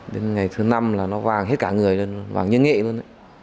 đến ngày thứ năm là nó vàng hết cả người lên vàng như nghệ luôn đấy